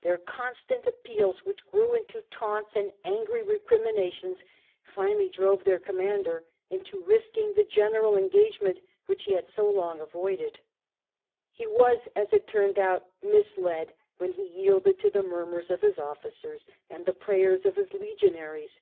Their constant appeals, which grew into taunts and angry recriminations, finally drove their com mander into risking the general engagement which he had so long avoided. He was, as it turned out, misled when he yielded to the murmurs of his officers and the prayers of his legionaries.